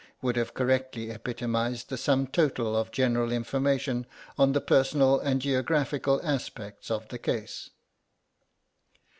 would have correctly epitomised the sum total of general information on the personal and geographical aspects of the case.